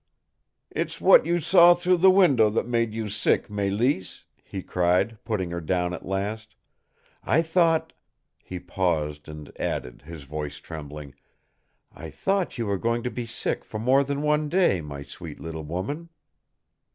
"It's what you saw through the window that made you sick, Mélisse," he cried, putting her down at last. "I thought " He paused, and added, his voice trembling: "I thought you were going to be sick for more than one day, my sweet little woman!"